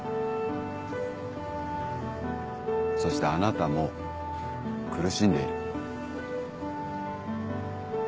そしてあなたも苦しんでいる。